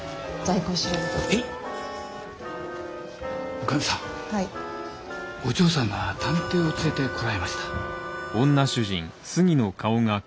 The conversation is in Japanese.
お嬢さんが探偵を連れてこられました。